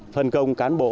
phần công cán bộ